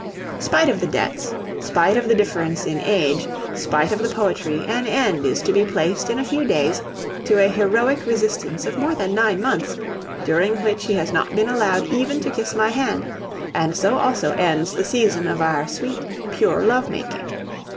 Spite of the debts, spite of the difference in age, spite of the poetry, an end is to be placed in a few days to a heroic resistance of more than nine months, during which he has not been allowed even to kiss my hand, and so also ends the season of our sweet, pure love making.